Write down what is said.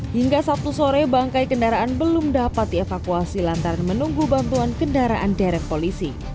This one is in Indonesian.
hingga sabtu sore bangkai kendaraan belum dapat dievakuasi lantaran menunggu bantuan kendaraan derek polisi